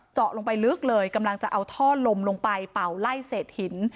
เจาะลงไปลึกเลยกำลังจะเอาท่อลมลงไปเป่าไล่เศษหิน